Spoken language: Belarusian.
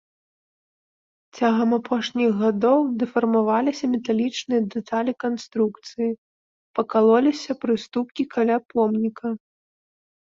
Цягам апошніх гадоў дэфармаваліся металічныя дэталі канструкцыі, пакалоліся прыступкі каля помніка.